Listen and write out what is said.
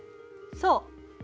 そう。